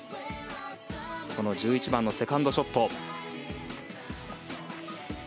この１１番のセカンドショット。